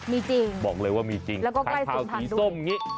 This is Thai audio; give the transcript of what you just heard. มีจริงแล้วก็ใกล้๐๐๐๐ด้วยบอกเลยว่ามีจริงไข่เผาสีส้มอย่างนี้